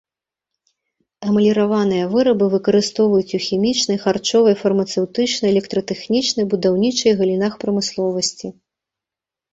Эмаліраваныя вырабы выкарыстоўваюць у хімічнай, харчовай, фармацэўтычнай, электратэхнічнай, будаўнічай галінах прамысловасці.